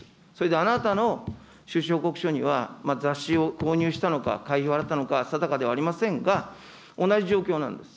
それであなたの収支報告書には、雑誌を購入したのか、会費を払ったのか、定かではありませんが、同じ状況なんです。